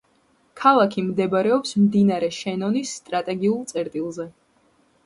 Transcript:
ქალაქი მდებარეობს მდინარე შენონის სტრატეგიულ წერტილზე.